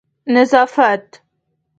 نظافت